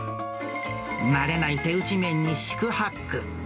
慣れない手打ち麺に四苦八苦。